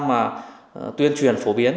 mà tuyên truyền phổ biến